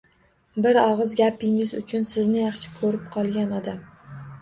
Bir og‘iz gapingiz uchun sizni yaxshi ko‘rib qolgan odam